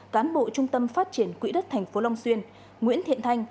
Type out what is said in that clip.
cán bộ trung tâm phát triển quỹ đất tp long xuyên nguyễn thiện thanh